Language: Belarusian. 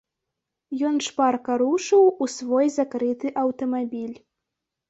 Ён шпарка рушыў у свой закрыты аўтамабіль.